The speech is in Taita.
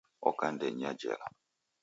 Oka andenyi ya jela.